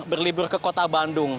berlibur ke kota bandung